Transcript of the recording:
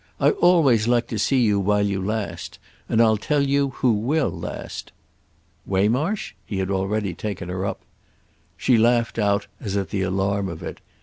I always like to see you while you last. And I'll tell you who will last." "Waymarsh?"—he had already taken her up. She laughed out as at the alarm of it.